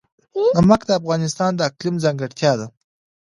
نمک د افغانستان د اقلیم ځانګړتیا ده.